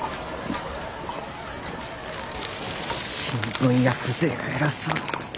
新聞屋風情が偉そうに。